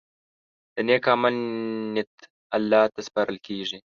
د نیک عمل نیت الله ته سپارل کېږي.